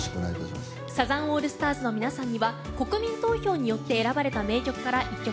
サザンオールスターズの皆さんには国民投票によって選ばれた名曲から１曲。